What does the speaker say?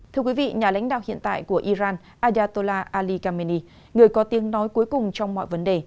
thưa quý vị nhà lãnh đạo hiện tại của iran ayatola ali kameni người có tiếng nói cuối cùng trong mọi vấn đề